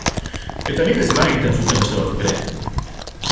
Eta nik bezala egiten zuten beste batzuek ere.